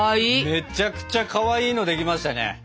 めちゃくちゃかわいいのできましたね！